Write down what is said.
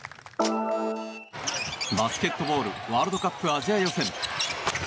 バスケットボールワールドカップアジア予選。